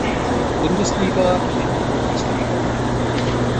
Bundesliga in die Bundesliga.